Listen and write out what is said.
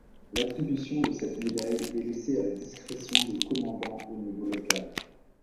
L’attribution de cette médaille est laissée à la discrétion des commandants au niveau local.